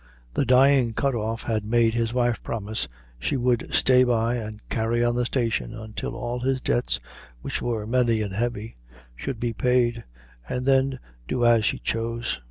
The dying "Cut off" had made his wife promise she would stay by and carry on the station until all his debts, which were many and heavy, should be paid, and then do as she chose.